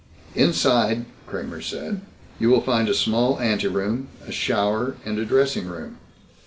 "Inside," Kramer said, "you will find a small anteroom, a shower, and a dressing room.